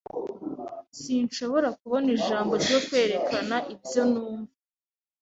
Sinshobora kubona ijambo ryo kwerekana ibyo numva.